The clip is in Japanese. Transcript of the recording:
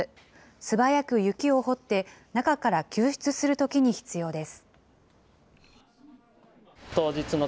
素早く雪を掘って、中から救出するときに必要です。